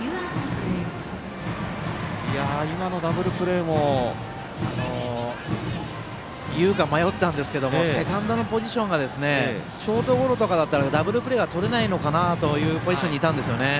今のダブルプレーも二遊間、迷ったんですがセカンドのポジションがショートゴロとかだったらダブルプレーはとれないかなというポジションにいたんですよね。